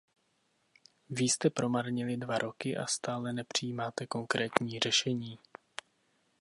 Vy jste promarnili dva roky a stále nepřijímáte konkrétní řešení.